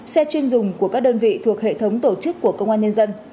xe chuyên dùng của các đơn vị thuộc hệ thống tổ chức của công an nhân dân